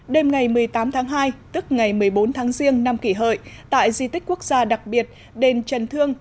đêm ngày một mươi tám tháng hai tức ngày một mươi bốn tháng riêng năm kỷ hợi tại di tích quốc gia đặc biệt đền trần thương